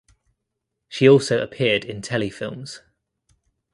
She also appeared in telefilms.